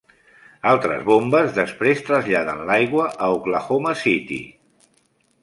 Altres bombes després traslladen l'aigua a Oklahoma City.